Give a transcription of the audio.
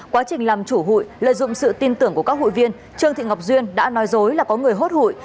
quá trình làm chủ hụi lợi dụng sự tin tưởng của các hụi viên trương thị ngọc duyên đã nói dối là có người hốt hụi